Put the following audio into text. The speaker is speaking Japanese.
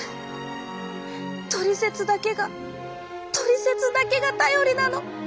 「トリセツ」だけが「トリセツ」だけが頼りなの。